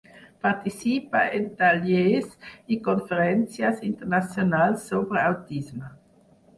Participa en tallers i conferències internacionals sobre autisme.